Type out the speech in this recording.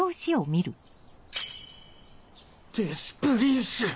デス・プリンス⁉